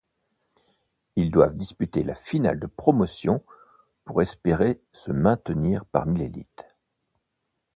Ils doivent disputer la Finale de Promotion pour espérer se maintenir parmi l'élite.